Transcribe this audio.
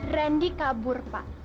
randi kabur pak